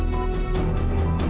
pak aku mau pergi